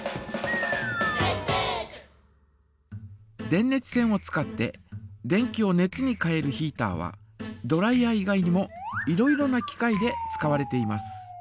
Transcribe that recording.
電熱線を使って電気を熱に変えるヒータはドライヤー以外にもいろいろな機械で使われています。